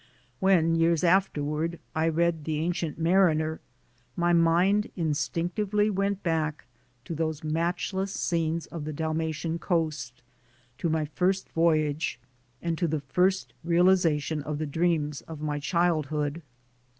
When, years afterward, I read "The Ancient Mariner," my mind instinctively went back to those matchless scenes of the Dalmatian Coast, to my first voyage, and to the first realization of the dreams of my childhood.